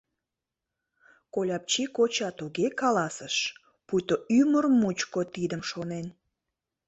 — Кольапчи коча туге каласыш, пуйто ӱмыр мучко тидым шонен.